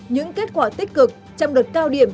những kết quả tích cực trong đợt cao điểm